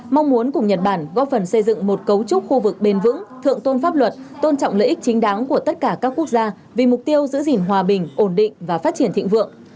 mong muốn cùng nhật bản góp phần xây dựng một cấu trúc khu vực bền vững thượng tôn pháp luật tôn trọng lợi ích chính đáng của tất cả các quốc gia vì mục tiêu giữ gìn hòa bình ổn định và phát triển thịnh vượng